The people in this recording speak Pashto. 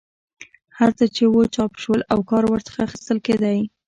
هر څه چې وو چاپ شول او کار ورڅخه اخیستل کېدی.